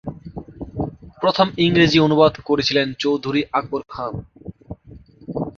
প্রথম ইংরেজি অনুবাদ করেছিলেন চৌধুরী আকবর খান।